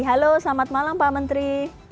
halo selamat malam pak menteri